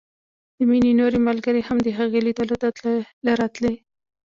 د مينې نورې ملګرې هم د هغې ليدلو ته تلې راتلې